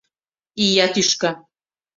Ия тӱшка...